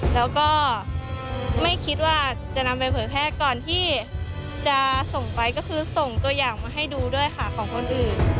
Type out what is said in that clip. แล้วก็ไม่คิดว่าจะนำไปเผยแพร่ก่อนที่จะส่งไปก็คือส่งตัวอย่างมาให้ดูด้วยค่ะของคนอื่น